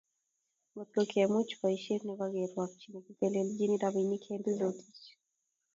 Ngotkemuch boisiet nebo kerwokchi nekitelelchin robinik Henry Rotich